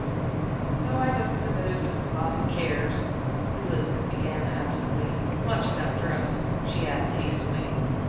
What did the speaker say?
"Oh, I don't suppose Mrs. Bobby cares" Elizabeth began absently "much about dress," she added, hastily.